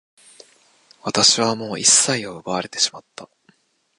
私はもう一切を奪われてしまった。